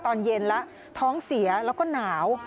ตอนเย็นแล้วท้องเสียแล้วก็หนาว